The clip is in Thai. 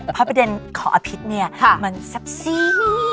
เพราะประเด็นของอภิษเนี่ยมันแซ่บซี่